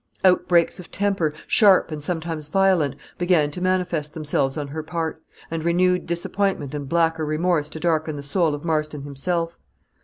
Outbreaks of temper, sharp and sometimes violent, began to manifest themselves on her part, and renewed disappointment and blacker remorse to darken the soul of Marston himself.